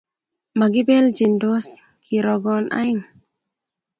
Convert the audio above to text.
Makibeelchindos kirogon aeng